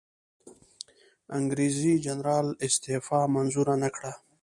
انګریزي جنرال استعفی منظوره نه کړه.